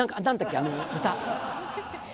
あの歌。